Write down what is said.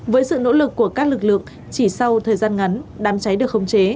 với sự nỗ lực của các lực lượng chỉ sau thời gian ngắn đám cháy được khống chế